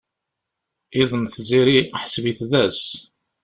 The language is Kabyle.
Iḍ n tziri, ḥseb-it d ass.